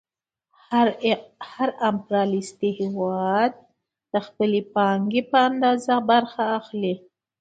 هر امپریالیستي هېواد د خپلې پانګې په اندازه برخه اخلي